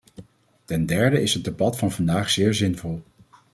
Ten derde is het debat van vandaag zeer zinvol.